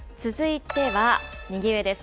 続いては、右上です。